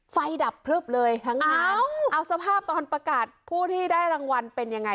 ดับพลึบเลยทั้งงานเอาสภาพตอนประกาศผู้ที่ได้รางวัลเป็นยังไง